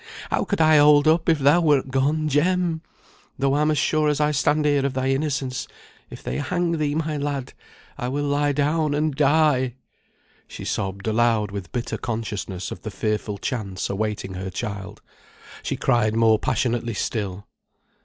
How could I hold up if thou wert gone, Jem? Though I'm as sure as I stand here of thy innocence, if they hang thee, my lad, I will lie down and die!" She sobbed aloud with bitter consciousness of the fearful chance awaiting her child. She cried more passionately still.